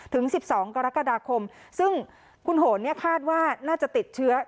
ถึง๑๒กรกฎาคมซึ่งคุณโหนเนี่ยคาดว่าน่าจะติดเชื้อ